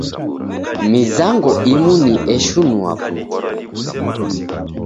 Mizango imu ni eshinua putu.